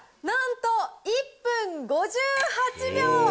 なんと１分５８秒。